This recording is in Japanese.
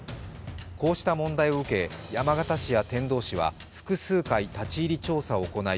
こうした問題を受け山形市や天童市は複数回、立ち入り検査を行い